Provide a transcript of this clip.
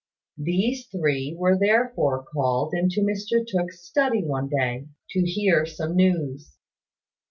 These three were therefore called into Mr Tooke's study one day, to hear some news.